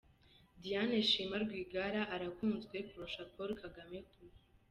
Diane Shima Rwigara arakunzwe kurusha Paulo Kagama kure.